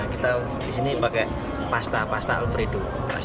kita disini pakai pasta alfredo